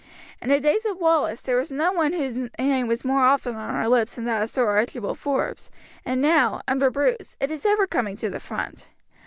In the days of Wallace there was no one whose name was more often on our lips than that of Sir Archibald Forbes, and now, under Bruce, it is ever coming to the front.